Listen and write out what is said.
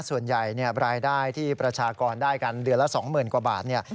ส่วนใหญ่รายได้ที่ประชากรได้กันเดือนละ๒๐๐๐กว่าบาท